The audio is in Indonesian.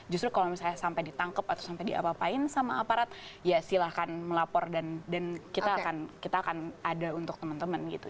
justru kalau misalnya sampai ditangkep atau sampai diapa apain sama aparat ya silahkan melapor dan kita akan ada untuk teman teman gitu